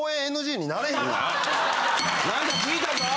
なんか聞いたぞ。